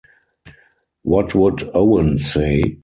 What would Owen say?